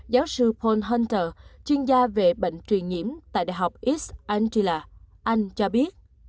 giáo sư paul hunter chuyên gia về bệnh truyền nhiễm tại đại học east angela anh cho biết